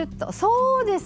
そうです